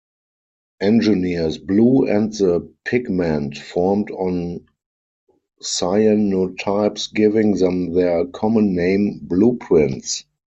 Engineer's blue and the pigment formed on cyanotypes-giving them their common name blueprints.